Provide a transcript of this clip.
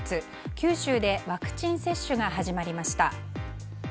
九州でワクチン接種が始まりました。